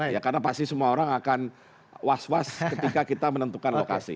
ya karena pasti semua orang akan was was ketika kita menentukan lokasi